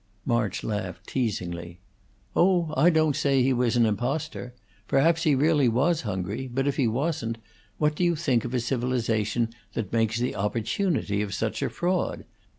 March laughed teasingly. "Oh, I don't say he was an impostor. Perhaps he really was hungry; but, if he wasn't, what do you think of a civilization that makes the opportunity of such a fraud?